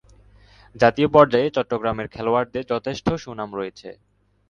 জাতীয় পর্যায়ে চট্টগ্রামের খেলোয়াড়দের যথেষ্ট সুনাম রয়েছে।